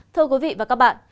thưa quý vị và các bạn